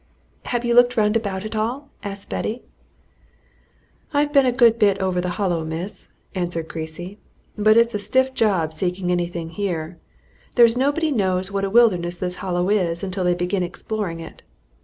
"Have you looked round about at all?" asked Betty. "I've been a good bit over the Hollow, miss," answered Creasy. "But it's a stiff job seeking anything here. There's nobody knows what a wilderness this Hollow is until they begin exploring it.